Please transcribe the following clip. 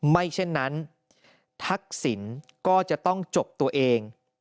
ไม่เช่นนั้นทักษิณก็จะต้องจบตัวเอง